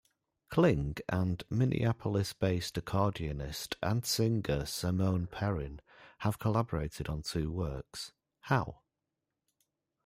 Kling and Minneapolis-based accordionist and singer Simone Perrin have collaborated on two works, How?